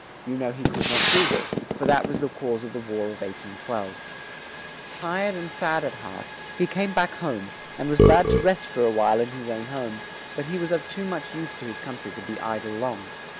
You know he could not do this, for that was the cause of the War of 1812. Tired and sad at heart, he came back home, and was glad to rest for a while in his own home; but he was of too much use to his coun try to be i dle long.